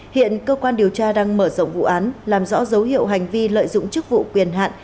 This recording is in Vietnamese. hiện cơ quan điều tra đang mở rộng vụ án làm rõ dấu hiệu hành vi lợi dụng chức vụ quyền hạn